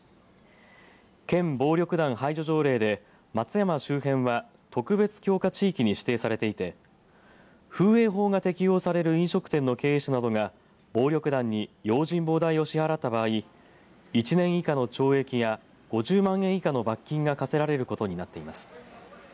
県暴力団排除条例で松山周辺は特別強化地域に指定されていて風営法が適応される飲食店の経営者などが暴力団に用心棒代を支払った場合１年以下の懲役や５０万円以下の罰金が科せられることになっています。